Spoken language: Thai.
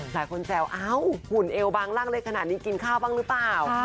แซวเอ้าหุ่นเอวบางร่างเล็กขนาดนี้กินข้าวบ้างหรือเปล่า